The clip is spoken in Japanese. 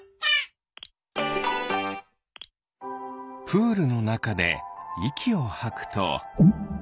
プールのなかでいきをはくと？